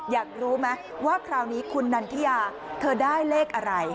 อยากรู้ไหมว่าคราวนี้คุณนันทิยาเธอได้เลขอะไร